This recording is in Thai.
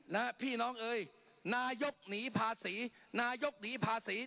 และพี่น้องเอ่ยนายกหนีภาษีนายกหนีภาษี